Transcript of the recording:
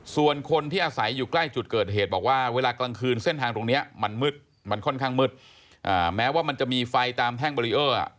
ส่วนคนที่อาศัยอยู่ใกล้จุดเกิดเหตุบอกว่าเวลากลางคืนเส้นทางตรงนี้มันมืดมันค่อนข้างมืดแม้ว่ามันจะมีไฟตามแท่งเบรีเออร์